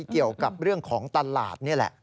เกี่ยวกับเรื่องของตลาดนี่แหละ